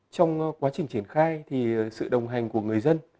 trong quá trình triển khai thì sự đồng hành của người dân